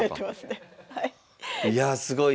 いやあすごい。